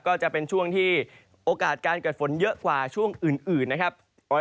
ก็จะเป็นช่วงที่โอกาสการเกิดฝนเยอะกว่าช่วงอื่นนะครับ